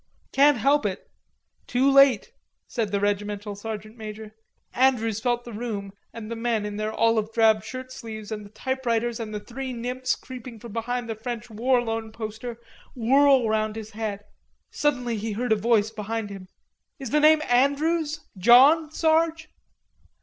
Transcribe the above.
"Can't help it.... Too late," said the regimental sergeant major. Andrews felt the room and the men in their olive drab shirt sleeves at the typewriters and the three nymphs creeping from behind the French War Loan poster whirl round his head. Suddenly he heard a voice behind him: "Is the name Andrews, John, Sarge?"